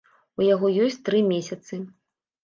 У яго ёсць тры месяцы.